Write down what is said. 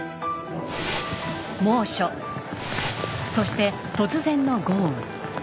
猛暑そして突然の豪雨。